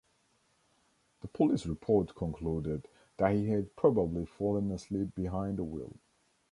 The police report concluded, that he had probably fallen asleep behind the wheel.